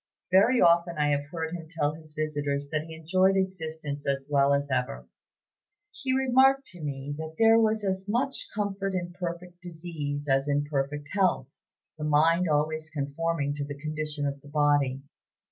Very often I have heard him tell his visitors that he enjoyed existence as well as ever. He remarked to me that there was as much comfort in perfect disease as in perfect health, the mind always conforming to the condition of the body.